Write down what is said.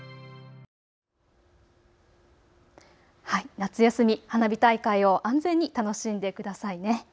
夏休み花火大会を安全に楽しんでくださいね。